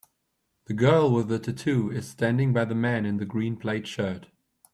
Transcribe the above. The girl with the tattoo is standing by the man in the green plaid shirt.